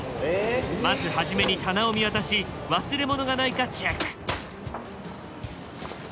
まず初めに棚を見渡し忘れ物がないかチェック。